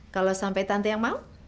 kalo sampe tante yang mau